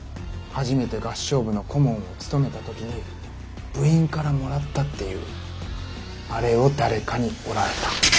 初めて合唱部の顧問を務めた時に部員からもらったっていうあれを誰かに折られた。